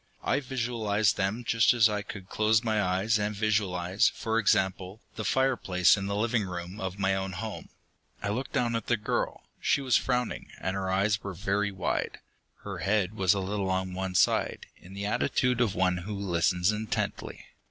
I visualized them just as I could close my eyes and visualize, for example, the fireplace in the living room of my own home. I looked down at the girl. She was frowning, and her eyes were very wide. Her head was a little on one side, in the attitude of one who listens intently.